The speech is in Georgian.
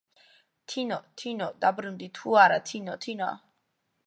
"თინო!თინო!დაბრუნდი თუ არა, თინო!თინო!"